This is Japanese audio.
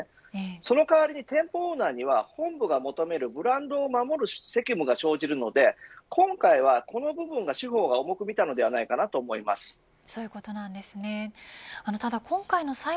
その代わりに店舗のオーナーには本部が求めるブランドを守る責務が生じるので今回はこの部分を司法は重く見たと思います。